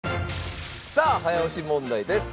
さあ早押し問題です。